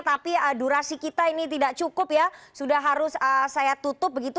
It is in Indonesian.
tapi durasi kita ini tidak cukup ya sudah harus saya tutup begitu